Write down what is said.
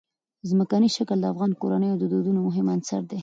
ځمکنی شکل د افغان کورنیو د دودونو مهم عنصر دی.